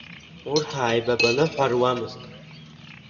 Урҭ ааибабаны ҳәа руамызт.